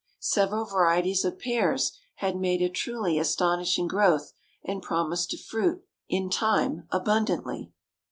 Several varieties of pears had made a truly astonishing growth, and promise to fruit, in time, abundantly.